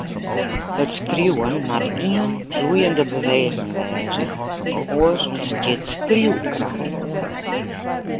It skriuwen moat ien floeiende beweging wêze, oars ûntstiet skriuwkramp.